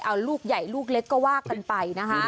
เอาลูกใหญ่ลูกเล็กก็ว่ากันไปนะคะ